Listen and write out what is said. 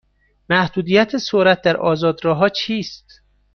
محدودیت سرعت در آزاد راه ها چیست؟